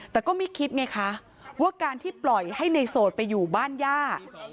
แต่ก็ไม่คิดไงคะว่าการที่ปล่อยให้ในโสดไปอยู่บ้านย่า